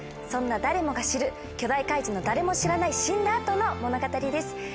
そんな誰もが知る巨大怪獣の誰も知らない死んだ後の物語です。